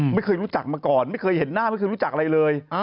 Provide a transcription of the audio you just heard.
ไม่เคยรู้จักมาก่อนไม่เคยเห็นหน้าไม่เคยรู้จักอะไรเลย